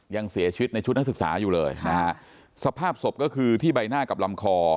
ยังเสียชีวิตในชุดนักศึกษาอยู่เลยนะฮะสภาพศพก็คือที่ใบหน้ากับลำคอ